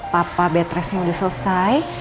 papa bed restnya udah selesai